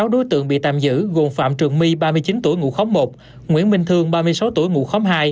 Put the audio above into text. sáu đối tượng bị tạm giữ gồm phạm trường my ba mươi chín tuổi ngụ khóng một nguyễn minh thương ba mươi sáu tuổi ngụ khóm hai